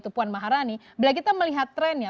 di awasi kamar yang terb fotonwrittenya